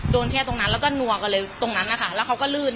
โดนแค่ตรงนั้นแล้วก็นัวกันเลยตรงนั้นนะคะแล้วเขาก็ลื่น